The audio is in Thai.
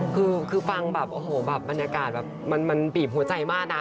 คือฟังบรรยากาศแบบมันปีบหัวใจมากนะ